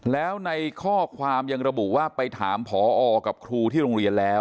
แล้วในข้อความยังระบุว่าไปถามผอกับครูที่โรงเรียนแล้ว